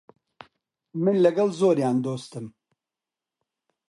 من لەگەڵ زۆریان دۆستم.